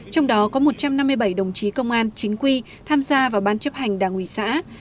trong đó có một trăm năm mươi bảy đồng chí công an chính quy tham gia vào ban chấp hành đảng ủy xã